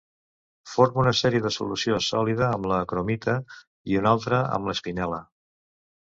Forma una sèrie de solució sòlida amb la cromita, i una altra amb l'espinel·la.